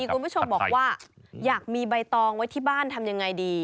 คุณผู้ชมบอกว่าอยากมีใบตองไว้ที่บ้านทำยังไงดี